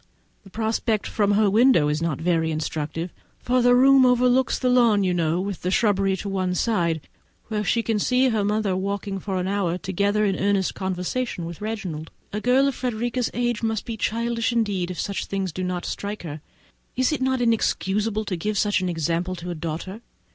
the prospect from her window is not very instructive, for that room overlooks the lawn, you know, with the shrubbery on one side, where she may see her mother walking for an hour together in earnest conversation with Reginald. A girl of Frederica's age must be childish indeed, if such things do not strike her. Is it not inexcusable to give such an example to a daughter?